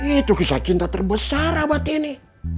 itu kisah cinta terbesar abad ini